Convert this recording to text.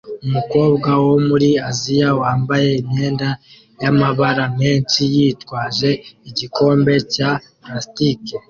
Umukobwa wo muri Aziya wambaye imyenda yamabara menshi yitwaje igikombe cya plastiki